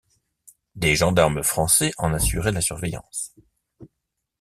Des gendarmes français en assuraient la surveillance.